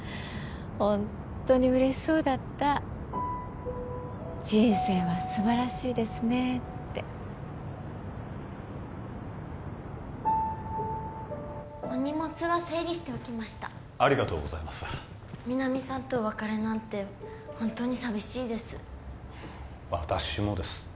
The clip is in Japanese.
ホントに嬉しそうだった「人生は素晴らしいですね」ってお荷物は整理しておきましたありがとうございます皆実さんとお別れなんて本当に寂しいです私もです